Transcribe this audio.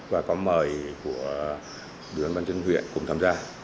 và có mời của đường văn chân huyện cùng tham gia